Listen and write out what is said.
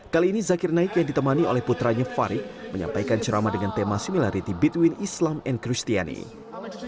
kali ini zakir naik yang ditemani oleh putranya farid menyampaikan ceramah dengan tema similarity between islam and christiani